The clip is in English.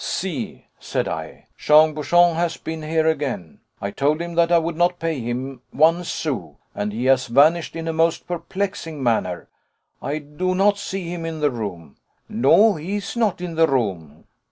"See!" said I, "Jean Bouchon has been here again; I told him that I would not pay him one sou, and he has vanished in a most perplexing manner. I do not see him in the room." "No, he is not in the room."